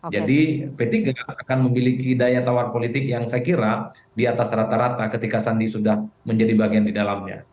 jadi p tiga akan memiliki daya tawar politik yang saya kira di atas rata rata ketika sandi sudah menjadi bagian di dalamnya